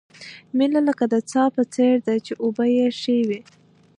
مینه لکه د څاه په څېر ده، چې اوبه یې ښې وي.